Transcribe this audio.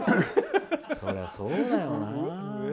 そりゃそうだよな。